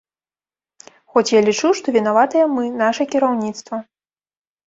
Хоць я лічу, што вінаватыя мы, наша кіраўніцтва.